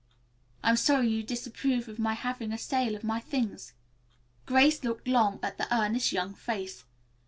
I'm sorry you disapprove of my having a sale of my things." Grace looked long at the earnest young face.